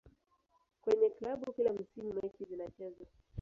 kwenye klabu kila msimu mechi zinachezwa